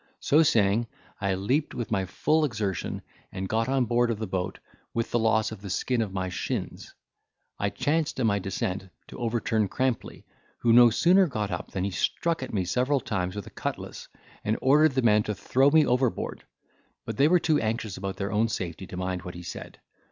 So saying, I leaped with my full exertion, and got on board of the boat with the loss of the skin of my shins. I chanced in my descent to overturn Crampley, who no sooner got up than he struck at me several times with a cutlass, and ordered the men to throw me overboard; but they were too anxious about their own safety to mind what he said.